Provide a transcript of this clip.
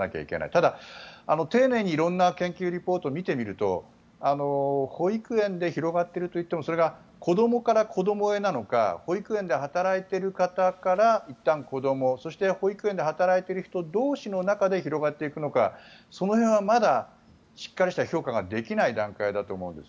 ただ、丁寧に色んな研究リポートを見てみると保育園で広がっているといってもそれが子どもから子どもへなのか保育園で働いている方からいったん子どもそして、保育園で働いている人同士の中で広がっていくのかその辺はまだしっかりした評価ができない段階だと思うんです。